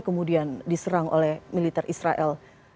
kemudian diserang oleh militer israel